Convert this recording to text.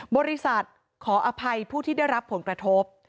บริษัทขออภัยผู้ที่ได้รับผลกระทบ